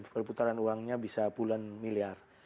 perputaran uangnya bisa puluhan miliar